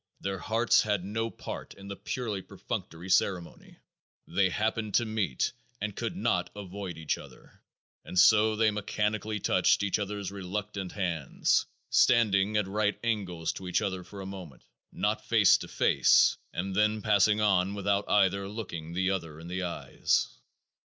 Their hearts had no part in the purely perfunctory ceremony. They happened to meet and could not avoid each other. And so they mechanically touched each other's reluctant hands, standing at right angles to each other for a moment not face to face and then passing on without either looking the other in the eyes.